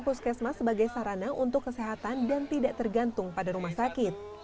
puskesmas sebagai sarana untuk kesehatan dan tidak tergantung pada rumah sakit